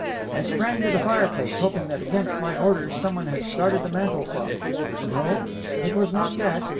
I sprang to the fireplace, hoping that, against my orders, someone had started the mantel clock. No, it was not that!